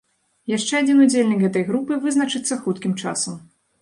Яшчэ адзін удзельнік гэтай групы вызначыцца хуткім часам.